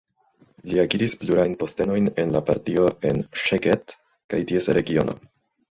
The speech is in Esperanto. Li akiris plurajn postenojn en la partio en Szeged kaj ties regiono.